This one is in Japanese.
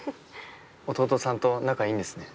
弟さんと仲いいんですね。